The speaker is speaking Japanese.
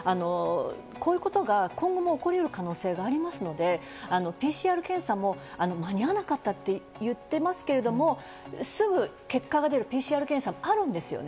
こういうことが今後、起こりうる可能性がありますので、ＰＣＲ検査も間に合わなかったって言ってますけど、すぐ結果が出るＰＣＲ検査もあるんですよね。